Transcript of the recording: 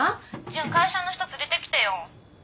純会社の人連れてきてよ。